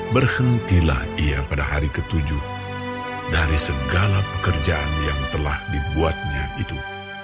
berhentilah ia pada hari ke tujuh dari segala pekerjaan yang telah dibuatnya itu